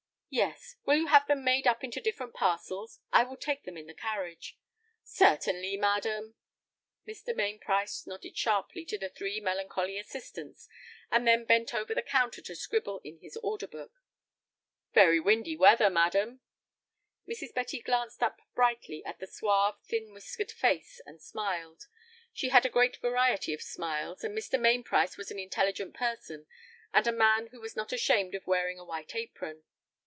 "Yes. Will you have them made up into different parcels? I will take them in the carriage." "Certainly, madam." Mr. Mainprice nodded sharply to the three melancholy assistants, and then bent over the counter to scribble in his order book. "Very windy weather, madam." Mrs. Betty glanced up brightly at the suave, thin whiskered face, and smiled. She had a great variety of smiles, and Mr. Mainprice was an intelligent person, and a man who was not ashamed of wearing a white apron.